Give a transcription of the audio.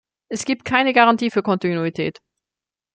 Es gibt also keine Garantie für Kontinuität.